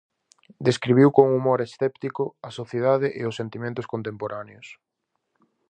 Describiu con humor escéptico a sociedade e os sentimentos contemporáneos.